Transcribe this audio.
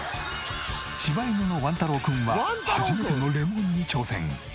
柴犬のわんたろうくんは初めてのレモンに挑戦。